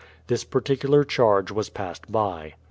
This particular charge was passed by.